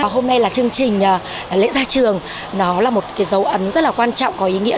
hôm nay là chương trình lễ gia trường nó là một cái dấu ấn rất là quan trọng có ý nghĩa